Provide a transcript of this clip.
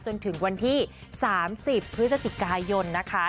จนถึงวันที่๓๐พฤศจิกายนนะคะ